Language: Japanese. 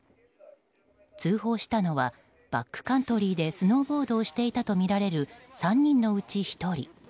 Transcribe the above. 通報したのはバックカントリーでスノーボードをしていたとみられる３人のうち１人。